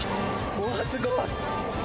うわっすごい！